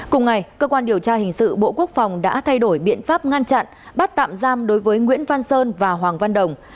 cùng ngày cơ quan điều tra hình sự bộ quốc phòng đã thay đổi biện pháp ngăn chặn bắt tạm giam đối với nguyễn văn sơn và hoàng văn đồng